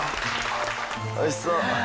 おいしそう。